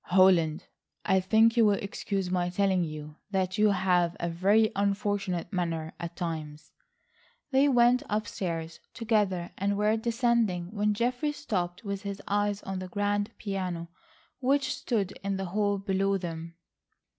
"Holland, I think,—you'll excuse my telling you,—that you have a very unfortunate manner at times." They went upstairs together and were descending when Geoffrey stopped, with his eyes on the grand piano which stood in the hall below them.